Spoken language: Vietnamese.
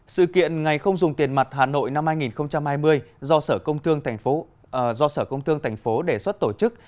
sự kiện ngày không dùng tiền mặt hà nội năm hai nghìn hai mươi do sở công thương thành phố đề xuất tổ chức